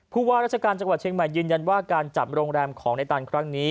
ผู้ว่าราชการจังหวัดเชียงใหม่ยืนยันว่าการจับโรงแรมของในตันครั้งนี้